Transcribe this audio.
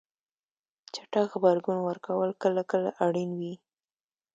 چټک غبرګون ورکول کله کله اړین وي.